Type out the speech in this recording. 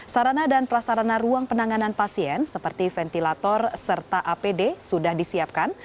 sarana dan prasarana ruang penanganan pasien seperti ventilator serta apd sudah disiapkan